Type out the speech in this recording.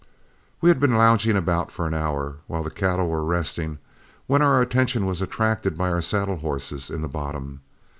We had been lounging about for an hour while the cattle were resting, when our attention was attracted by our saddle horses in the bottom.